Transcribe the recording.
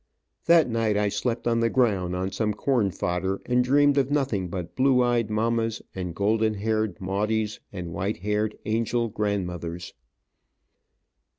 That night I slept on the ground on some corn fodder and dreamed of nothing but blue eyed mamma's and golden haired Maudie's and white haired angel grandmothers.